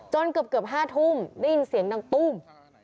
เกือบ๕ทุ่มได้ยินเสียงดังตุ้ม